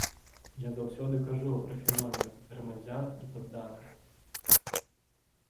Я заўсёды кажу пра феномен грамадзян і падданых.